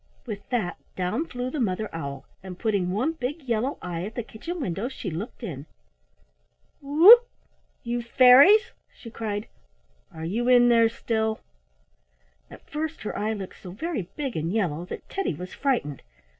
With that, down flew the Mother Owl, and putting one big yellow eye at the kitchen window, she looked in. "Who o o! you fairies," she cried, "are you in there still?" At first, her eye looked so very big and yellow that Teddy was frightened.